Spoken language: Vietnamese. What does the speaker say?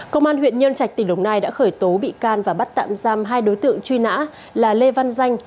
công an huyện nhân trạch tỉnh đồng nai đã khởi tố bị can và bắt tạm giam hai đối tượng truy nã là lê văn danh